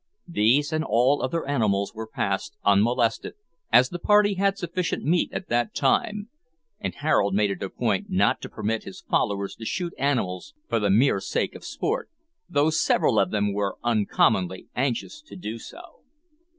These and all other animals were passed unmolested, as the party had sufficient meat at the time, and Harold made it a point not to permit his followers to shoot animals for the mere sake of sport, though several of them were uncommonly anxious to do so.